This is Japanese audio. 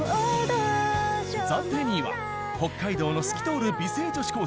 暫定２位は北海道の透き通る美声女子高生